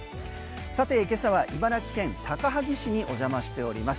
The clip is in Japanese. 今朝は茨城県高萩市にお邪魔しております。